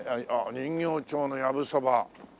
「人形町の藪そば」。